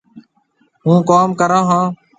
هوُن ڪوم ڪرون هون۔